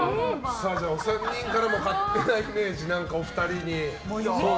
お三人からも勝手なイメージ、お二人に。